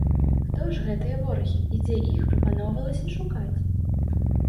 Хто ж гэтыя ворагі і дзе іх прапаноўвалася шукаць?